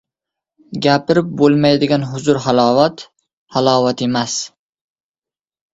Gapirib bo‘lmaydigan huzur-halovat — halovat emas.